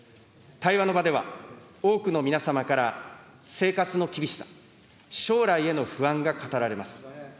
対話の場では、多くの皆様から生活の厳しさ、将来への不安が語られます。